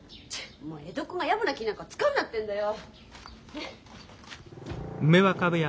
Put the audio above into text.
もう江戸っ子がやぼな気なんか遣うなってんだよ。